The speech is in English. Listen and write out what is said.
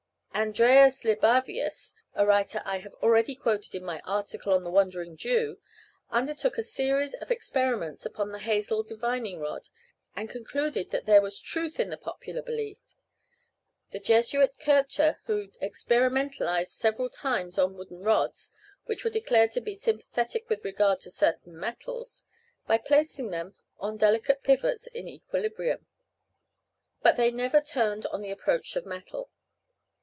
Andreas Libavius, a writer I have already quoted in my article on the Wandering Jew, undertook a series of experiments upon the hazel divining rod, and concluded that there was truth in the popular belief. The Jesuit Kircher also "experimentalized several times on wooden rods which were declared to be sympathetic with regard to certain metals, by placing them on delicate pivots in equilibrium; but they never turned on the approach of metal."